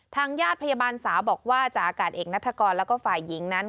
ทางญาติพยาบาลสาวบอกว่าจากอากาศเอกนัฐกรแล้วก็ฝ่ายหญิงนั้น